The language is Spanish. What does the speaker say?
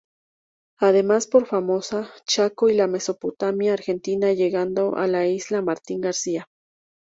Además por Formosa, Chaco y la Mesopotamia argentina, llegando a la isla Martín García.